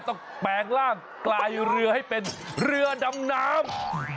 แปลงร่างกลายเรือให้เป็นเรือดำน้ำ